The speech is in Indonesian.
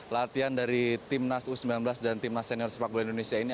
latihan dari timnas u sembilan belas dan timnas senior sepak bola indonesia ini